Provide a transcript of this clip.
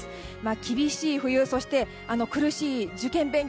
厳しい冬そして苦しい受験勉強